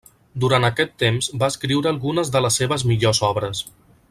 Durant aquest temps va escriure algunes de les seves millors obres.